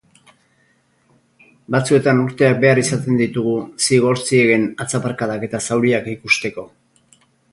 Batzuetan urteak behar izaten ditugu zigor ziegen atzaparkadak eta zauriak ikusteko.